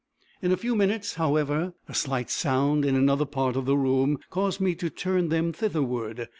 In a few minutes, however, a slight sound in another part of the room, caused me to turn them thitherward.